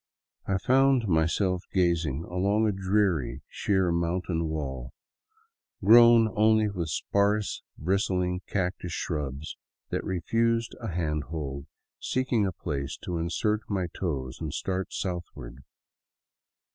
I found myself gazing along a dreary, sheer mountain wall, grown only with sparse, bristling cactus shrubs that refused a hand hold, seek ing a place to insert my toes and start southward.